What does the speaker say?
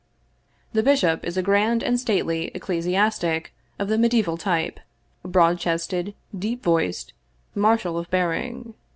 The bishop is a grand and stately ecclesiastic of the me diaeval type, broad chested, deep voiced, martial of bearing.